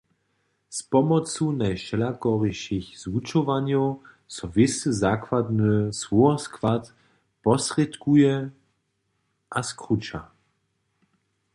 Z pomocu najwšelakorišich zwučowanjow so wěsty zakładny słowoskład posrědkuje a skruća.